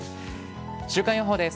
週間予報です。